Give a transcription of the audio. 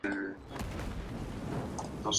Todas sus estatuas fueron derribadas.